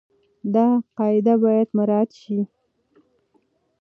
دا قاعده بايد مراعت شي.